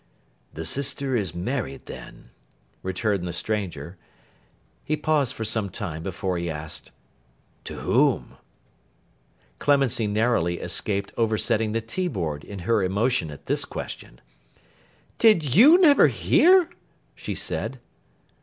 'The sister is married then,' returned the stranger. He paused for some time before he asked, 'To whom?' Clemency narrowly escaped oversetting the tea board, in her emotion at this question. 'Did you never hear?' she said.